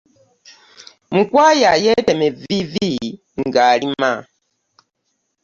Mukwaya yeetema evviivi ng'alima.